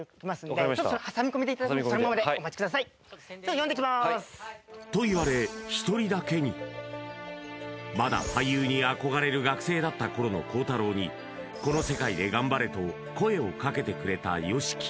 はいと言われまだ俳優に憧れる学生だった頃の孝太郎に「この世界で頑張れ」と声をかけてくれたＹＯＳＨＩＫＩ